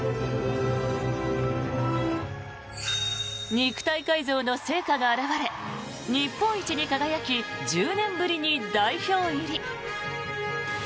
肉体改造の成果が表れ日本一に輝き１０年ぶりに代表入り。